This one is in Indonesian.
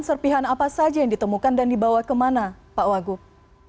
serpihan apa saja yang ditemukan dan dibawa kemana pak wagub